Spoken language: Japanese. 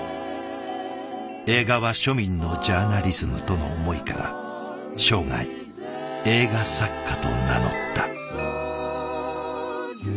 映画は庶民のジャーナリズムとの思いから生涯映画作家と名乗った。